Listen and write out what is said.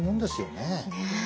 ねえ。